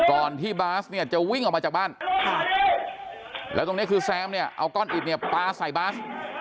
ก่อนที่บาสเนี่ยจะวิ่งออกมาจากบ้านแล้วตรงนี้คือแซมเนี่ยเอาก้อนอิดเนี่ยปลาใส่บาส